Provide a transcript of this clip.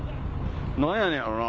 何やねやろな？